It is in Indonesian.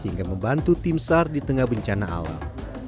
hingga membantu tim sar di tengah bencana alam